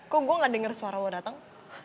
kok gue gak denger suara lo datang